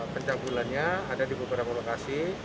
pencabulannya ada di beberapa lokasi